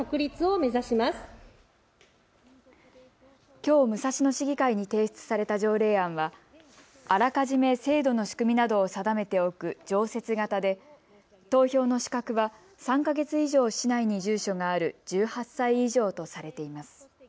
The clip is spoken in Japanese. きょう武蔵野市議会に提出された条例案はあらかじめ制度の仕組みなどを定めておく常設型で投票の資格は３か月以上市内に住所がある１８歳以上とされています。